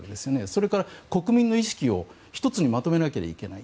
それから国民の意識を１つにまとめなきゃいけない。